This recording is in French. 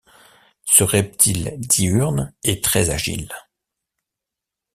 Ce reptile diurne est très agile.